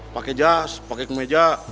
pakai jas pakai kemeja